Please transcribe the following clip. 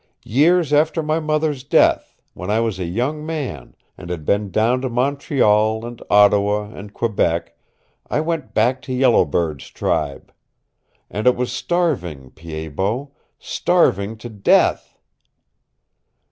Years after my mother's death, when I was a young man, and had been down to Montreal and Ottawa and Quebec, I went back to Yellow Bird's tribe. And it was starving, Pied Bot. Starving to death!"